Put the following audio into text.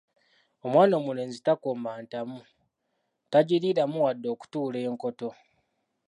Omwana omulenzi takomba ntamu, tagiriiramu wadde okutuula enkoto.